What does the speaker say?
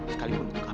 sekalipun untuk kamu